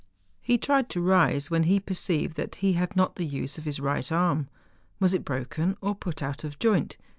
He tried to rise, when he perceived that he had not the use of his right arm. Was it broken or put out of joint?